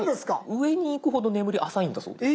上に行くほど眠り浅いんだそうです。